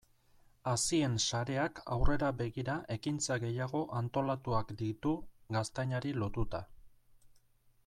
Hazien sareak aurrera begira ekintza gehiago antolatuak ditu gaztainari lotuta.